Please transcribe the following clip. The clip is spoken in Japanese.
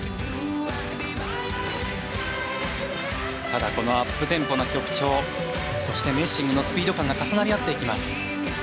ただこのアップテンポな曲調そしてメッシングのスピード感が重なり合っていきます。